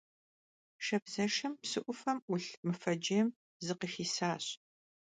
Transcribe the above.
Şşabzeşşem psı 'ufem 'ulh mıvecêym zıkhıxisaş.